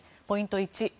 ポイント